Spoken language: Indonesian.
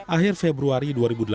akhir februari dua ribu delapan belas